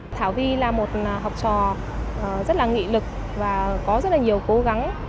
thảo vi là một học trò rất là nghị lực và có rất là nhiều cố gắng